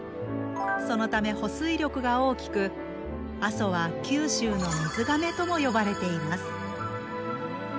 そのため保水力が大きく阿蘇は「九州の水がめ」とも呼ばれています。